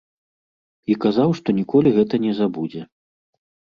І казаў, што ніколі гэта не забудзе.